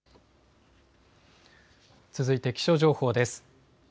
続いて気象情報です。